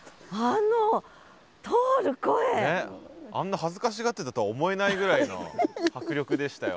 あんな恥ずかしがってたとは思えないぐらいの迫力でしたよ。